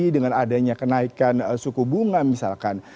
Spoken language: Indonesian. dengan adanya kenaikan suku bunga misalkan